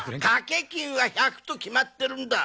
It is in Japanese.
賭け金は１００と決まってるんだ。